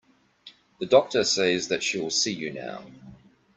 The doctor says that she will see you now.